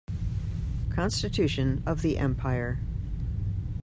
Constitution of the empire.